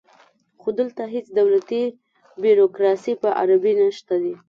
خو دلته هیڅ دولتي بیروکراسي په عربي نشته دی